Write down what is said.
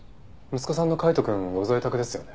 息子さんの海斗くんご在宅ですよね？